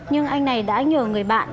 nhưng anh này đã nhờ người bạn